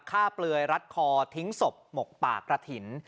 เปลือยรัดคอทิ้งศพหมกปากกระถิ่น